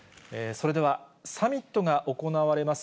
それでは、サミットが行われます